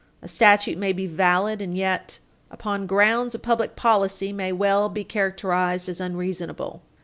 A statute may be valid and yet, upon grounds of public policy, may well be characterized as unreasonable.